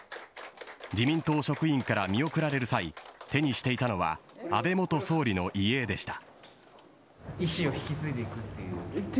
自民党職員から見送られる際手にしていたのは安倍元総理の遺影でした。